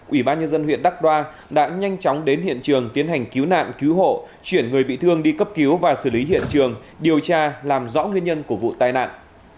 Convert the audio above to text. ủy ban nhân dân huyện đắk đoa đã nhanh chóng đến hiện trường tiến hành cứu nạn cứu hộ chuyển người bị thương đi cấp cứu và xử lý hiện trường điều tra làm rõ nguyên nhân của vụ tai nạn